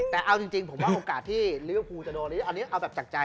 แต่เอาจริงผมว่าโอกาสที่